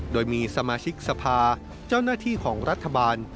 โดยมีสมาชิกสภาเจ้าหน้าที่ของรัฐบาล